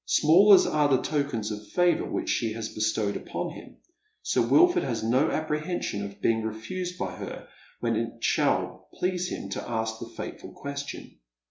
Small as are the tokens of favour which she has bestowed upon him, Sir Wilford has no apprehension of being refused by her when it shall please him to ask the fateful question.